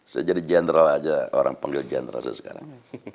saya jadi general saja orang panggil general saya sekarang